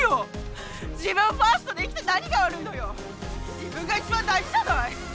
自分が一番大事じゃない！